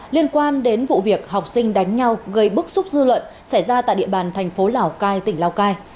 liên quan đến vụ việc học sinh đánh nhau gây bức xúc dư luận xảy ra tại địa bàn thành phố lào cai tỉnh lào cai